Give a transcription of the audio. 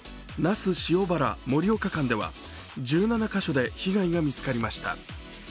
那須塩原−盛岡間では１７カ所で被害が見つかりました。